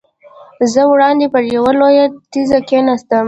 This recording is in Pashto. زه وړاندې پر یوه لویه تیږه کېناستم.